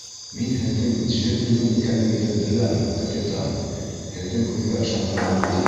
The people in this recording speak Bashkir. Мин һеҙҙең джентльмен икәнегеҙҙе беләм, капитан, һеҙҙең һүҙгә ышанырға мөмкин.